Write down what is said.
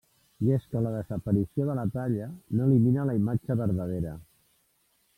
I és que la desaparició de la talla no elimina la imatge verdadera.